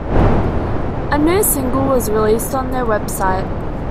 A new single was released on their website.